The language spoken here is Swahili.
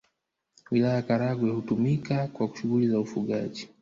Wilaya ya Karagwe hutumika kwa shughuli za ufugaji